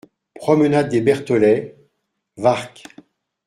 Promenade des Bertholet, Warcq